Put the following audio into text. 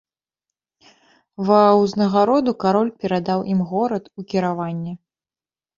Ва ўзнагароду кароль перадаў ім горад у кіраванне.